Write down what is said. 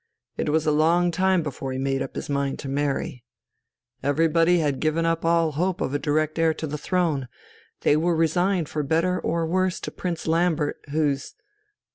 It was a long time before he made up his mind to marry. Everybody had given up all hope of a direct heir to the throne. They were resigned for better or worse to Prince Lambert, whose